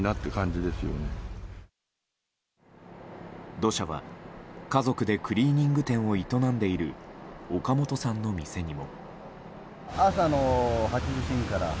土砂は家族でクリーニング店を営んでいる岡本さんの店にも。